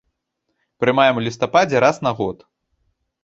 Прымаем у лістападзе, раз на год.